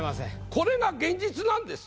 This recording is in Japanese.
これが現実なんです。